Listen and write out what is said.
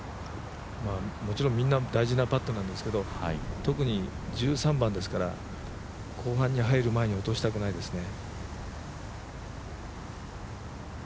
もちろんみんな大事なパットなんですけど、特に１３番ですから後半に入る前に落としたくないですね。